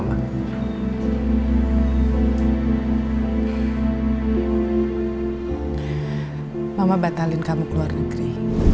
mama batalin kamu keluar negeri